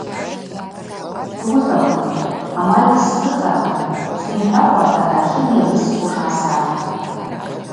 Суыхӏвахитӏ, амалькӏ сзыхата, суымхӏвахуата аъатлын йазысхуш гӏасахӏв.